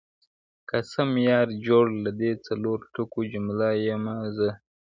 قاسم یار جوړ له دې څلور ټکو جمله یمه زه-